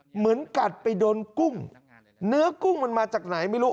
เหมือนกัดไปโดนกุ้งเนื้อกุ้งมันมาจากไหนไม่รู้